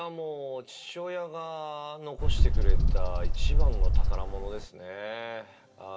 父親が残してくれた一番の宝物ですね。